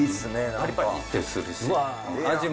パリパリってするし。